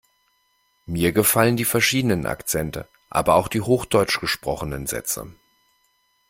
Mir gefallen die verschiedenen Akzente, aber auch die hochdeutsch gesprochenen Sätze.